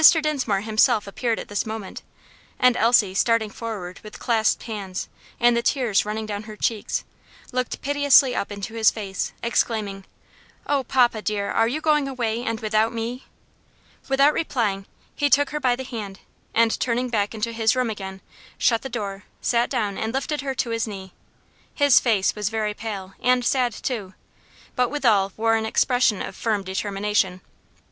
Dinsmore himself appeared at this moment, and Elsie, starting forward with clasped hands, and the tears running down her cheeks, looked piteously up into his face, exclaiming, "Oh, papa, dear are you going away, and without me?" Without replying, he took her by the hand, and turning back into his room again, shut the door, sat down, and lifted her to his knee. His face was very pale and sad, too, but withal wore an expression of firm determination.